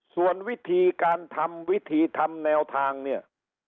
ส่วนวิธีการทำวิธีทำแนวทางเนี่ย